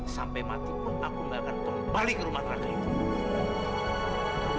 sampai mati pun aku gak akan kembali ke rumah raga itu